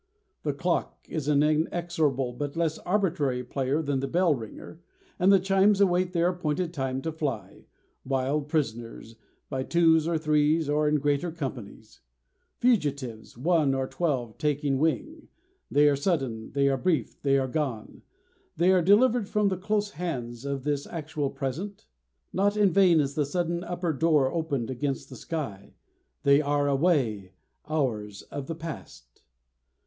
The clock is an inexorable but less arbitrary player than the bellringer, and the chimes await their appointed time to fly wild prisoners by twos or threes, or in greater companies. Fugitives one or twelve taking wing they are sudden, they are brief, they are gone; they are delivered from the close hands of this actual present. Not in vain is the sudden upper door opened against the sky; they are away, hours of the past.